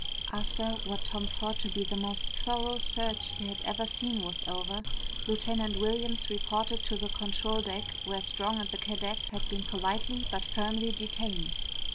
After what Tom thought to be the most thorough search he had ever seen was over, Lieutenant Williams reported to the control deck where Strong and the cadets had been politely but firmly detained.